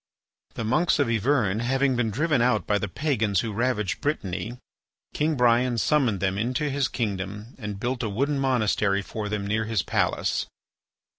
The monks of Yvern having been driven out by the pagans who ravaged Brittany, King Brian summoned them into his kingdom and built a wooden monastery for them near his palace.